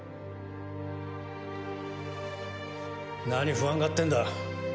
何不安がってんだ。